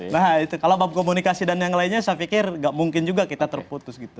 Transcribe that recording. nah itu kalau bab komunikasi dan yang lainnya saya pikir nggak mungkin juga kita terputus gitu